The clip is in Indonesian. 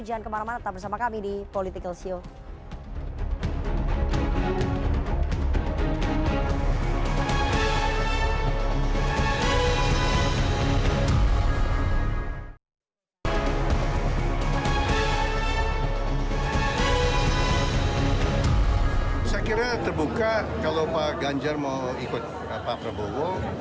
jangan kemana mana tetap bersama kami di political political show